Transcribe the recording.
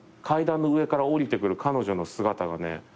階段の上から下りてくる彼女の姿がね